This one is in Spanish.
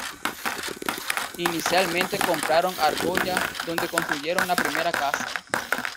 Inicialmente compraron Argolla donde construyeron la primera casa.